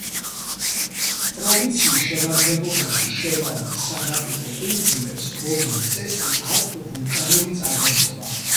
პროვინციის შემადგენლობაში შემავალ სანაპირო კუნძულებს, როგორც წესი, აქვთ ვულკანური წარმოშობა.